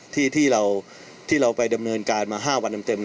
ที่เราไปดำเนินการมา๕วันเต็ม